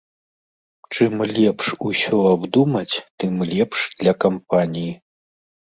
Чым лепш усё абдумаць, тым лепш для кампаніі.